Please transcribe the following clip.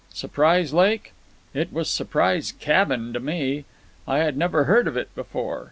Surprise Lake? it was Surprise Cabin to me. I had never heard of it before.